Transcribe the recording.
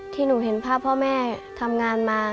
ที่หนูเห็นภาพพ่อแม่ทำงานมา